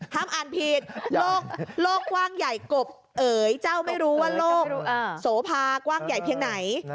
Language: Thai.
ห้ามอ่านผิดโลกกว้างใหญ่กบเอ๋ยเจ้าไม่รู้ว่าโลกโสภากว้างใหญ่เพียงไหน